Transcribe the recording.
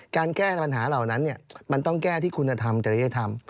การแก้ปัญหาเหล่านั้นมันต้องแก้ที่คุณธรรมจริยธรรม